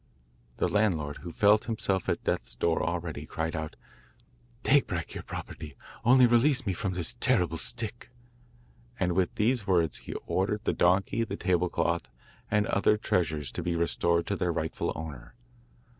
The landlord, who felt himself at death's door already, cried out: 'Take back your property, only release me from this terrible stick;' and with these words he ordered the donkey, the table cloth, and other treasures to be restored to their rightful owner.